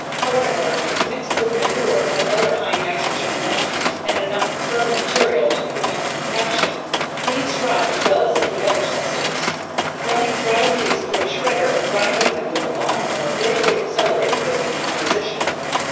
However, if mixed with manure or other high nitrogen amendment and enough firm material to prevent compaction, leaves rot as well as any other substance. Running dry leaves through a shredder or grinding them with a lawnmower greatly accelerates their decomposition.